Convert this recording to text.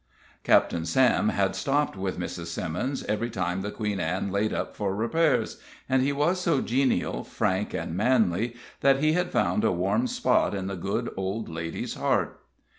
Captain Sam had stopped with Mrs. Simmons every time the Queen Ann laid up for repairs, and he was so genial, frank and manly, that he had found a warm spot in the good old lady's heart.